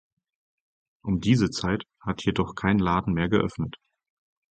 Um diese Zeit hat hier doch kein Laden mehr geöffnet.